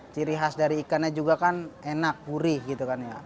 ciri khas dari ikannya juga kan enak gurih gitu kan ya